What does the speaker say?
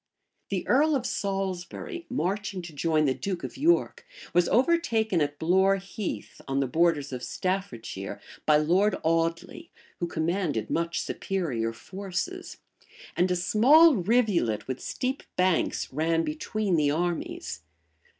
The earl of Salisbury, marching to join the duke of York, was overtaken at Blore Heath, on the borders of Staffordshire, by Lord Audley, who commanded much superior forces; and a small rivulet with steep banks ran between the armies.